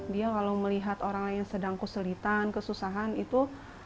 dia kalau melihat orang lain sedang kesulitan kesusahan itu